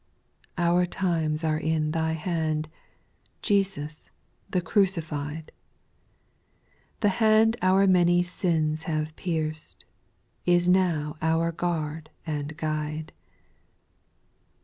< 4. Our times are in Thy hand, Jesus the crucified ; The hand our many sins haye pierc'd, Is now our guard and guide.